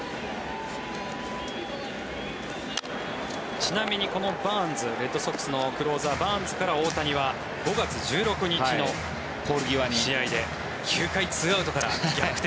ちなみにこのバーンズレッドソックスのクローザーのバーンズから大谷は５月１６日の試合で９回２アウトから逆転